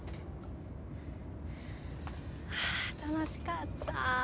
あー楽しかった。